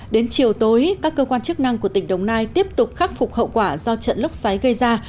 đến chiều tối các cơ quan chức năng của tỉnh đồng nai tiếp tục khắc phục hậu quả do trận lốc xoáy gây ra